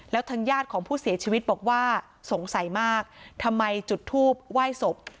แล้วทางญาติของผู้เสียชีวิตบอกว่าสงสัยมากทำไมจุดทูบไหว้ศพ